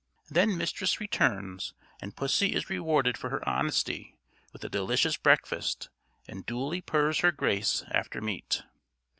Then mistress returns, and pussy is rewarded for her honesty with a delicious breakfast, and duly purrs her grace after meat.